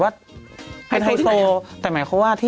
ก็พี่กาชัยไง